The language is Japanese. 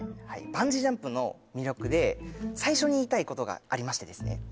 バンジージャンプの魅力で最初に言いたいことがありましてですね